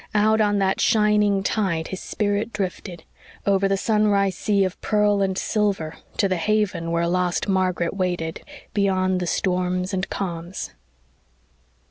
Out on that shining tide his spirit drifted, over the sunrise sea of pearl and silver, to the haven where lost Margaret waited, beyond the storms and calms.